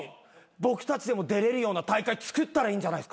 僕たちでも出れるような大会つくったらいいんじゃないですか。